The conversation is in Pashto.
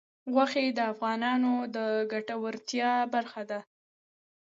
غوښې د افغانانو د ګټورتیا برخه ده.